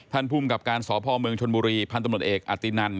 ภูมิกับการสพเมืองชนบุรีพันธุ์ตำรวจเอกอตินัน